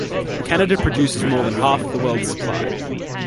Canada produces more than half the world's supply.